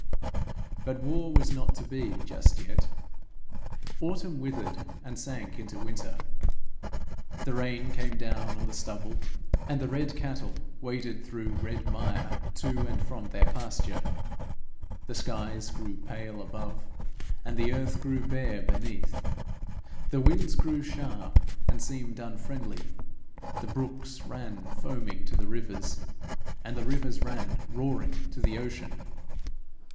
But war was not to be just yet. Autumn withered and sank into winter. The rain came down on the stubble, and the red cattle waded through red mire to and from their pasture; the skies grew pale above, and the earth grew bare beneath; the winds grew sharp and seemed unfriendly; the brooks ran foaming to the rivers, and the rivers ran roaring to the ocean.